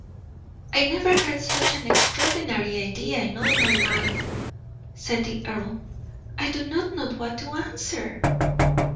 "I never heard such an extraordinary idea in all my life," said the earl. "I do not know what to answer.